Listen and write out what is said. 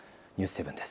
ニュース７です。